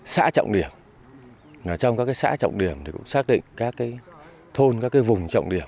xác định các xã trọng điểm xác định các thôn các vùng trọng điểm